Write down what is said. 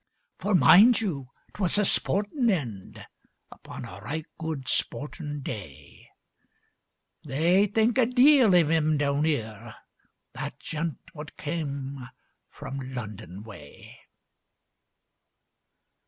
For mind you, 'twas a sportin' end, Upon a right good sportin' day; They think a deal of 'im down 'ere, That gent what came from London way.